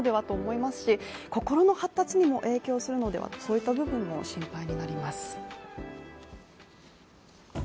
都思いますし、心の発達にも影響するのではとそういった部分も心配になります。